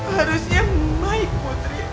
harusnya main putri